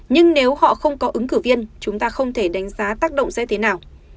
nhưng nếu họ không có ứng cử viên chúng ta không thể đánh giá tác động sẽ thế nào